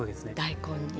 大根に。